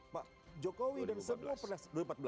pak jokowi dan semua pernah